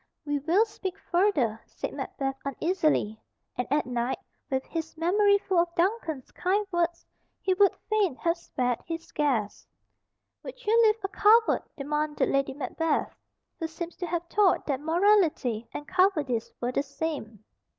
"We will speak further," said Macbeth uneasily, and at night, with his memory full of Duncan's kind words, he would fain have spared his guest. "Would you live a coward?" demanded Lady Macbeth, who seems to have thought that morality and cowardice were the same.